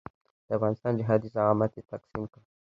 د افغانستان جهادي زعامت یې تقسیم کړ.